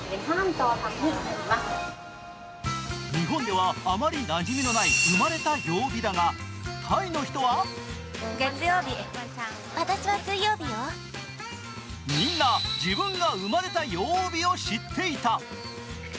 日本ではあまりなじみのない生まれた曜日だが、タイの人はみんな自分が生まれた曜日を知っていた。